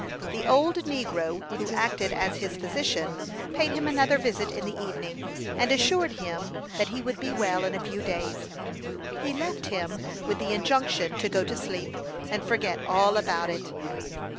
The old negro who acted as his physician paid him another visit in the evening, and assured him that he would be well in a few days. He left him with the injunction to go to sleep, and forget all about it.